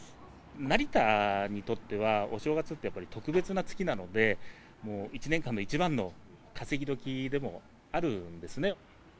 成田にとっては、お正月ってやっぱり特別な月なので、もう１年間で一番の稼ぎ時でもあるんですね。